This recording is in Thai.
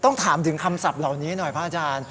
ต้องถามถึงคำศัพท์เหล่านี้หน่อยพระอาจารย์